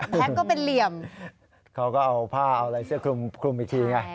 แก๊กก็เป็นเหลี่ยมเขาก็เอาผ้าเอาอะไรเสื้อคลุมคลุมอีกทีไง